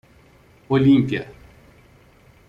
Olímpia